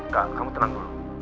kak kamu tenang dulu